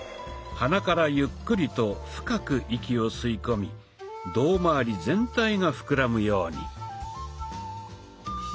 鼻からゆっくりと深く息を吸い込み胴まわり全体が膨らむように。